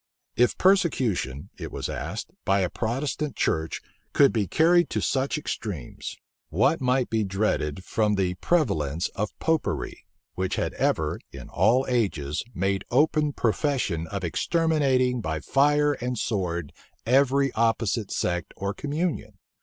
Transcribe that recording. If persecution, it was asked, by a Protestant church could be carried to such extremes, what might be dreaded from the prevalence of Popery, which had ever, in all ages, made open profession of exterminating by fire and sword every opposite sect or communion?